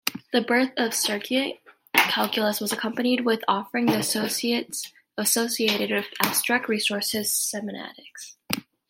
The birth of cirquent calculus was accompanied with offering the associated "abstract resource semantics".